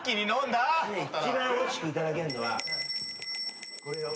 一番おいしくいただけるのは。